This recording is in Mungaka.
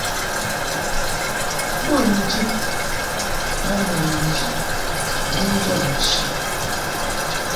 Bo njid ma manji ni njɔb nchi.